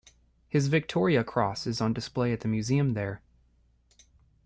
His Victoria Cross is on display at the museum there.